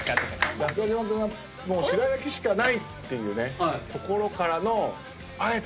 中島君はもう白焼しかないっていうところからのあえての。